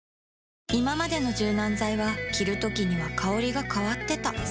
いままでの柔軟剤は着るときには香りが変わってた